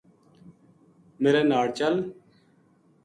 میرے ناڑ چل